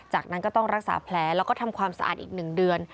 จากนั้นก็ต้องรักษาแผลแล้วก็ทำความสะอาดอีก๑เดือน